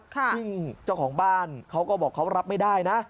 ซึ่งเจ้าของบ้านเขาก็บอกเขารับไม่ได้นะ